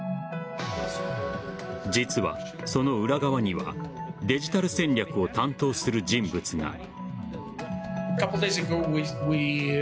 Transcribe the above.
実はその裏側にはデジタル戦略を担当する人物が。